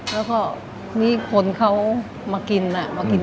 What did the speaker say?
แล้วก็จนกับตัวเป็นจำนวน